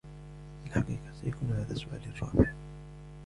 في الحقيقة ، سيكون هذا سؤالي الرابع.